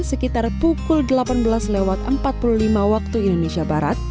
sekitar pukul delapan belas empat puluh lima waktu indonesia barat